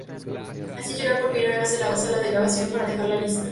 Así llega por primera vez a la sala de grabación para dejarla lista.